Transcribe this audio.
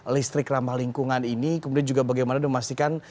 listrik ramah lingkungan ini kemudian juga bagaimana memastikan